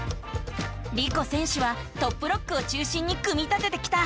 リコ選手はトップロックを中心に組み立ててきた。